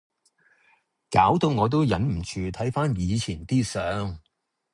搞到我都忍唔住睇番以前啲相⠀